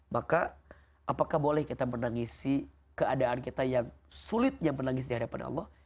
maka apakah boleh kita menangisi keadaan kita yang sulit yang menangis di hadapan allah